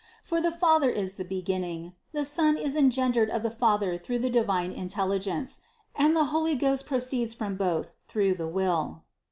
For the Father is the beginning, the Son is en gendered of the Father through the divine intelligence, and the Holy Ghost proceeds from Both through the will.